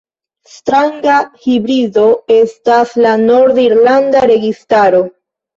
Stranga hibrido estas la nord-irlanda registaro.